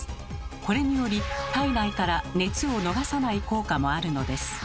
これにより体内から熱を逃がさない効果もあるのです。